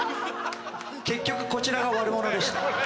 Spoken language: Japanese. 結局こちらが悪者でした。